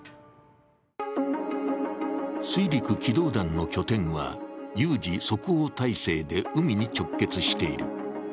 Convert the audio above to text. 水陸機動団の拠点は有事即応態勢で海に直結している。